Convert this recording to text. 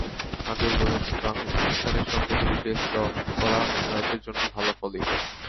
আগেও বলেছি, পাকিস্তানের সঙ্গে দুটি টেস্ট ড্র করা বাংলাদেশের জন্য ভালো ফলই।